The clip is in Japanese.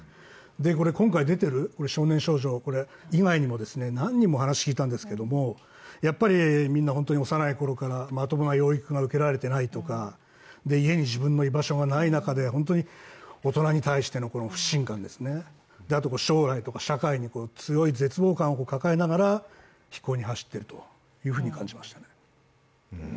今回出ている少年少女以外にも何人も話を聞いたんですけれども、やっぱり、みんな本当に幼いころからまともな養育が受けられていないとか、家に自分の居場所がない中で、本当に大人に対しての不信感ですね、あと将来とか社会に強い絶望感を抱えながら非行に走っているというふうに感じました。